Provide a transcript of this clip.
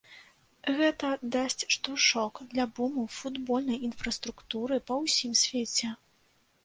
Гэта дасць штуршок для буму футбольнай інфраструктуры па ўсім свеце.